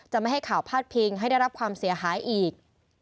ไม่ให้ข่าวพาดพิงให้ได้รับความเสียหายอีก